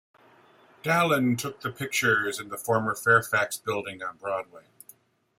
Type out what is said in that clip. Dallen took the pictures in the former Fairfax building on Broadway.